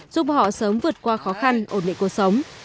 giúp họ sớm vượt qua khó khăn ổn định cuộc sống